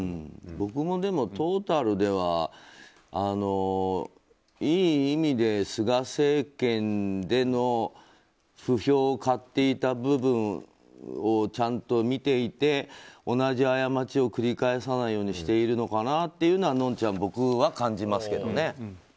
僕も、トータルではいい意味で菅政権での不評を買っていた部分をちゃんと見ていて同じ過ちを繰り返さないようにしているのかなというのがのんちゃん、僕は感じますけど。